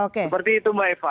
seperti itu mbak eva